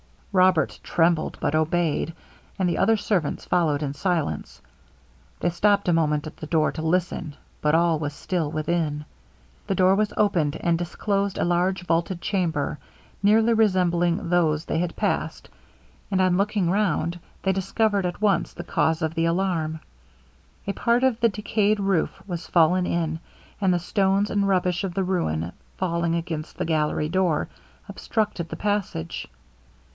Robert trembled but obeyed, and the other servants followed in silence. They stopped a moment at the door to listen, but all was still within. The door was opened, and disclosed a large vaulted chamber, nearly resembling those they had passed, and on looking round, they discovered at once the cause of the alarm. A part of the decayed roof was fallen in, and the stones and rubbish of the ruin falling against the gallery door, obstructed the passage.